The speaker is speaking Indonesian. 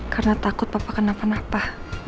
karena takut papa kenapa napa